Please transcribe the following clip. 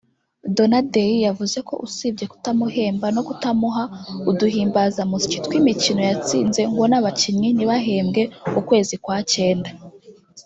Donadei yavuze ko usibye kutamuhemba no kutamuha uduhimbazamusyi tw’imikino yatsinze ngo n’abakinnyi ntibahembwe ukwezi kwa cyenda